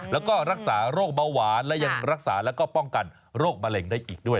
แล้วก็รักษาโรคเบาหวานและป้องกันโรคแบรนดร์ได้อีกด้วย